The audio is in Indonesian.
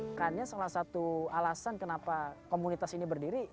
makanya salah satu alasan kenapa komunitas ini berdiri